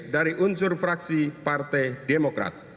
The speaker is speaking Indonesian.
dari unsur fraksi partai demokrat